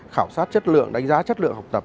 khảo sát chất lượng đánh giá chất lượng học tập